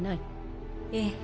ええ。